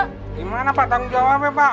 gimana pak tanggung jawabnya pak